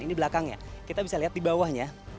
ini belakangnya kita bisa lihat di bawahnya